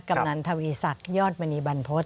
กำนันทวีสักยอดบรรณีบรรพส